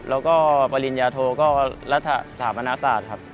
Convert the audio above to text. แล้วก็ปริญญาโทก็รัฐสถาปนาศาสตร์ครับ